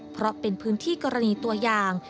เพราะเป็นพื้นที่กรณีตัวอย่าง